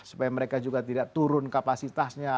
supaya mereka juga tidak turun kapasitasnya